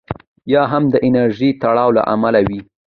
یا هم د نژادي تړاو له امله وي.